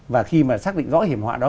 và khi mà xác định rõ hiểm họa đó